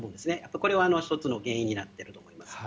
これは１つの原因になっていると思います。